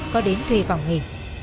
có đến thuê phòng nghỉ